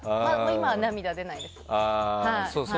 今は涙出ないです。